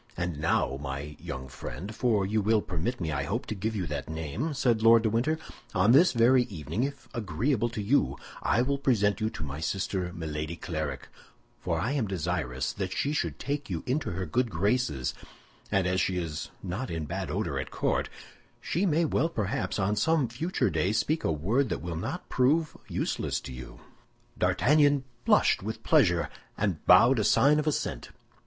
"And now, my young friend, for you will permit me, I hope, to give you that name," said Lord de Winter, "on this very evening, if agreeable to you, I will present you to my sister, Milady Clarik, for I am desirous that she should take you into her good graces; and as she is not in bad odor at court, she may perhaps on some future day speak a word that will not prove useless to you." D'Artagnan blushed with pleasure, and bowed a sign of assent.